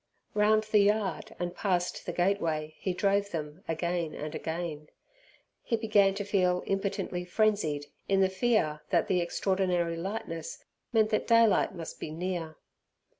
Round the yard and past the gateway he drove them again and again. He began to feel impotently frenzied in the fear that the extraordinary lightness meant that daylight must be near.